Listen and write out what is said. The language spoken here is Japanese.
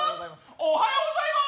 おはようございます。